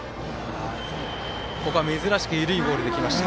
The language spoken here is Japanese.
ここは珍しく緩いボールできました。